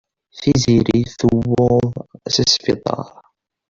Tiziri tuweḍ s asbiṭar.